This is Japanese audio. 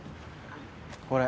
これ。